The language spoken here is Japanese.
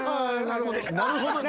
なるほど？